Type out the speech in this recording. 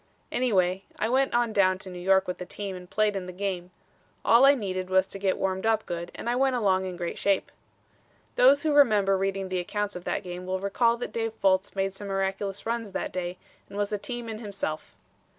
Anyway, I went on down to New York with the team and played in the game. All I needed was to get warmed up good and I went along in great shape." Those who remember reading the accounts of that game will recall that Dave Fultz made some miraculous runs that day and was a team in himself.